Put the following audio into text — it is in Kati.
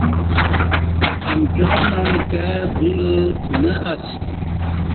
امکیاں مع کائی بولہ نہ اسی